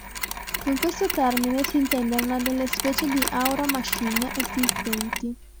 Con questo termine si intende una delle specie di "Aura Machine" esistenti.